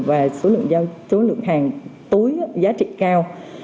và số lượng hàng túi giá trị cao